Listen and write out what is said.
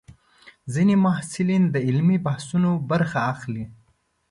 ځینې محصلین د علمي بحثونو برخه اخلي.